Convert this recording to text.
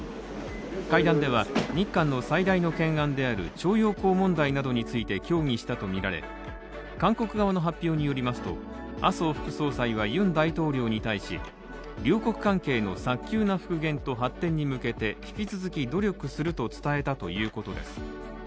会談では日韓の最大の懸案である徴用工問題などについて協議したとみられ韓国側の発表によりますと麻生副総裁はユン大統領に対し両国関係の早急な復元と発展に向けて引き続き努力すると伝えたということです。